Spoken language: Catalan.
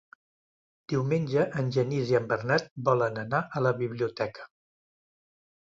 Diumenge en Genís i en Bernat volen anar a la biblioteca.